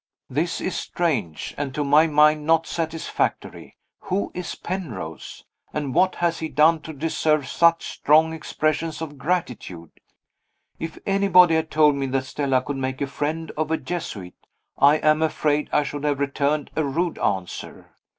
This is strange, and, to my mind, not satisfactory. Who is Penrose? and what has he done to deserve such strong expressions of gratitude? If anybody had told me that Stella could make a friend of a Jesuit, I am afraid I should have returned a rude answer.